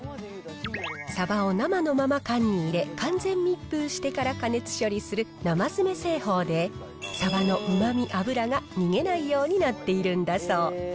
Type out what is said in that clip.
サバを生のまま缶に入れ、完全密封してから加熱処理する生詰製法で、サバのうまみ、脂が逃げないようになっているんだそう。